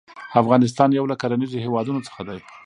افغانستان يو له کرنيزو هيوادونو څخه دى.